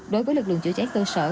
đối với lật luận chữa cháy cơ sở